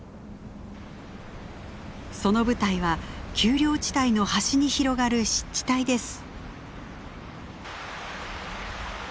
その舞台は丘陵地帯の端に広がる湿地帯です。